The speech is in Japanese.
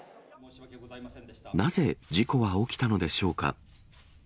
なぜ事故は起きたのでしょうか。